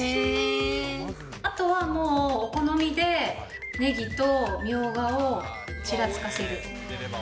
あとはもうお好みで、ネギとミョウガをちらつかせる。